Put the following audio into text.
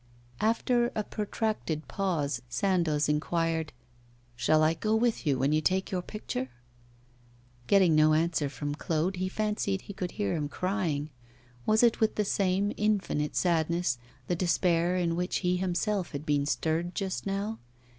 After a protracted pause, Sandoz inquired: 'Shall I go with you when you take your picture?' Getting no answer from Claude, he fancied he could hear him crying. Was it with the same infinite sadness, the despair by which he himself had been stirred just now?